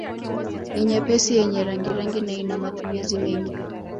Ni nyepesi yenye rangirangi na ina matumizi mengi